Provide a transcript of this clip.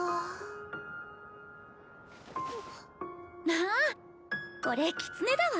まあこれキツネだわ。